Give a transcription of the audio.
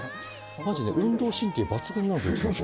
マジで運動神経抜群なんですようちの子。